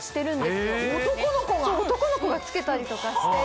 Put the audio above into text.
男の子が着けたりとかしていて。